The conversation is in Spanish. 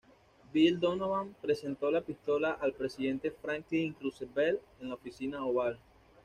Bill Donovan presentó la pistola al presidente Franklin Roosevelt en la Oficina Oval.